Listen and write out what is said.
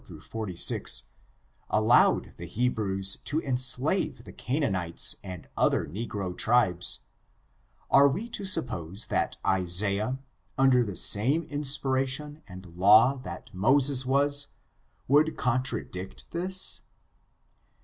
xxv, 44 — 46, allowed the He brews to enslave the Canaanites and other negro tribes, are we to suppose that Isaiah, under the same inspi* ration and law that Moses was, would contradict this